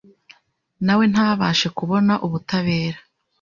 nawe ntabashe kubona ubutabera